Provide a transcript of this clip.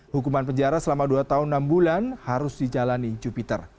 hukuman penjara selama dua tahun enam bulan harus dijalani jupiter